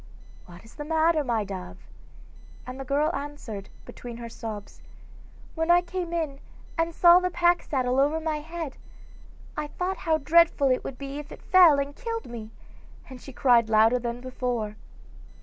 'What is the matter, my dove?' and the girl answered, between her sobs: 'When I came in and saw the pack saddle over my head, I thought how dreadful it would be if it fell and killed me,' and she cried louder than before.